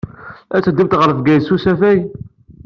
Ad teddumt ɣer Bgayet s usafag?